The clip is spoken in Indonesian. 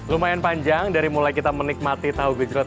lumayan panjang dari mulai kita menikmati tahu gejrot